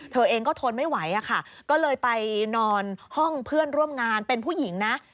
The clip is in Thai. เธอเองก็ทนไม่ไหวอะค่ะก็เลยไปนอนห้องเพื่อนร่วมงานเป็นผู้หญิงนะ